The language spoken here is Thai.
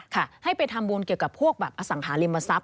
ให้ไปทำบุญเกี่ยวกับพวกแบบอสังหาริมทรัพย